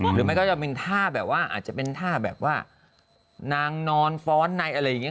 หรือมันก็จะเป็นท่าแบบว่าอาจจะเป็นท่าแบบว่านางนอนฟ้อนในอะไรอย่างนี้